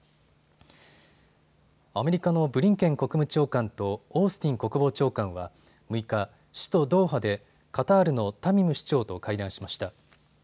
アメリカのブリンケン国務長官とオースティン国防長官は６日、首都ドーハでカタールのタミム首長と会談しました。